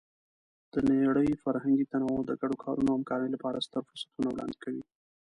د نړۍ فرهنګي تنوع د ګډو کارونو او همکارۍ لپاره ستر فرصتونه وړاندې کوي.